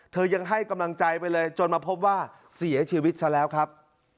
ยังให้กำลังใจไปเลยจนมาพบว่าเสียชีวิตซะแล้วครับ